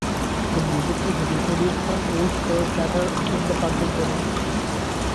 The music is reproduced from old scores that are in the public domain.